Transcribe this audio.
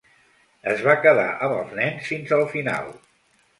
Es va quedar amb els nens fins al final.